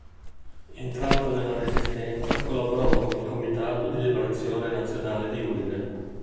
Entrato nella Resistenza, collaborò con il Comitato di Liberazione Nazionale di Udine.